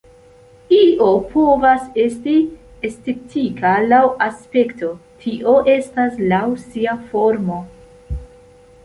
Io povas esti estetika laŭ aspekto, tio estas laŭ sia formo.